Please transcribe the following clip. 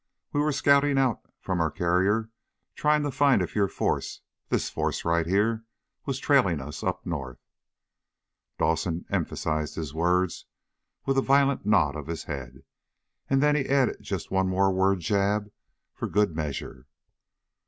We were scouting out from our carrier trying to find out if your force, this force right here, was trailing us up north!" Dawson emphasized his words with a violent nod of his head. And then he added just one more word jab for good measure.